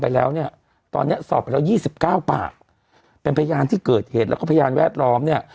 ไปแล้วเนี่ยตอนเนี้ยสอบไปแล้ว๒๙ปากเป็นพยานที่เกิดเหตุแล้วก็พยานแวดล้อมเนี่ย